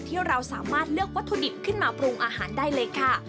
ที่เราสามารถเลือกวัตถุดิบขึ้นมาปรุงอาหารได้เลยค่ะ